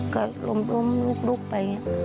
ก็ล้มลุกไป